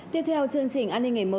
tiếp theo chương trình an ninh